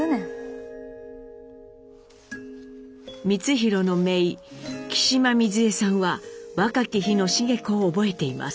光宏のめい木島瑞恵さんは若き日の繁子を覚えています。